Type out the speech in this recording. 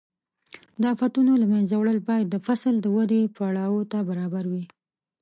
د آفتونو له منځه وړل باید د فصل د ودې پړاو ته برابر وي.